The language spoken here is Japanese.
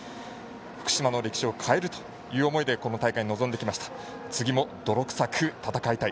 福島の歴史を変えるという思いでこの試合に臨んできました。